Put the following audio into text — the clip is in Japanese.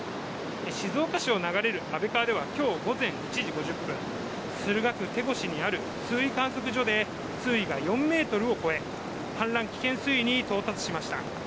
静岡市を流れる安倍川では今日午前１時５０分、駿河区手越にある水位観測所で水位が４ｍを超え氾濫危険水位に到達しました。